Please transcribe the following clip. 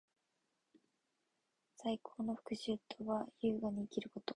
最高の復讐とは，優雅に生きること。